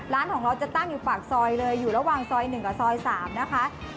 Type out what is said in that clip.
ร้านของเราจะตั้งอยู่ปากซอยเลยอยู่ระหว่างซอย๑กับซอย๓นะคะ